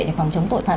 để phòng chống tội phạm